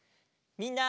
みんな！